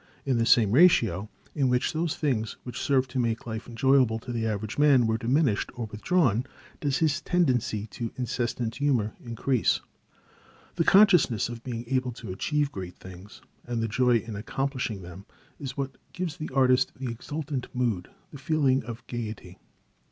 In the same ratio in which those things which serve to make life enjoyable to the average man were diminished or withdrawn, does his tendency to incessant humor increase. The consciousness of being able to achieve great things, and the joy in accomplishing them, is what gives the artist the exultant mood, the feeling of gayety.